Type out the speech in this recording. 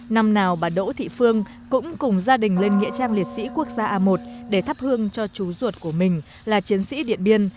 năm nào bà đỗ thị phương cũng cùng gia đình lên nghĩa trang liệt sĩ quốc gia a một để thắp hương cho chú ruột của mình là chiến sĩ điện biên